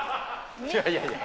いやいやいや。